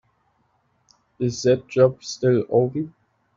Is that job still open?